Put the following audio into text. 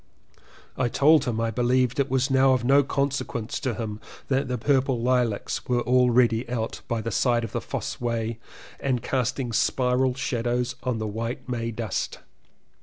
I told him that I beUeved it was now of no conse quence to him that the purple lilacs were already out by the side of the Fosse Way and casting spiral shadows on the white May dust.